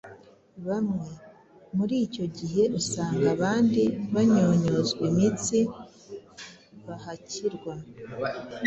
bamwe. Muri icyo gihe usanga abandi banyunyuzwa imitsi, bahakirwa